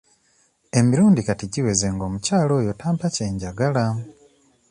Emirundi kati giweze ng'omukyala oyo tampa kye njagala.